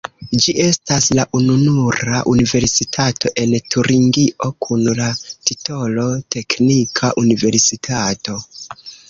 Ĝi estas la ununura universitato en Turingio kun la titolo "teknika universitato".